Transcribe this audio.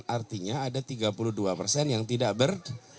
artinya ada tiga puluh dua persen yang tidak ber